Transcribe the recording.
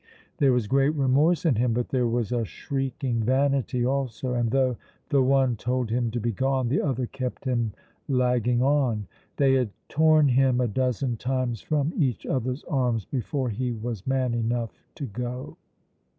There was great remorse in him, but there was a shrieking vanity also, and though the one told him to be gone, the other kept him lagging on. They had torn him a dozen times from each other's arms before he was man enough to go.